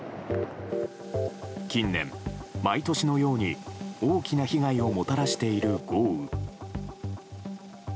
近年、毎年のように大きな被害をもたらしている豪雨。